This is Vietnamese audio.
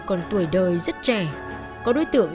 còn tuổi đời rất trẻ có đối tượng